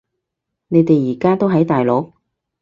你哋而家都喺大陸？